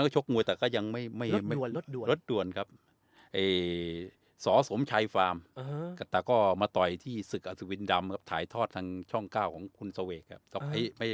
สหสมชายฟาร์มแต่ก็มาต่อยที่ศึกอศุวินดำครับถ่ายทอดทางช่อง๙ของคุณสเวกครับ